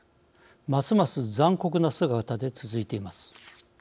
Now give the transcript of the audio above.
ますます残酷な姿で続いています。